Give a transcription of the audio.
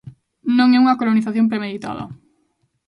Non é unha colonización premeditada.